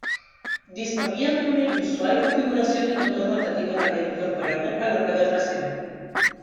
Disponía de una inusual configuración de motor rotativo radial incorporado a la rueda trasera.